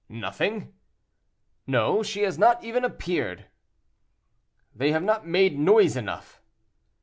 "—"Nothing?" "No; she has not even appeared." "They have not made noise enough."